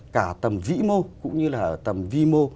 cả tầm vĩ mô cũng như là ở tầm vi mô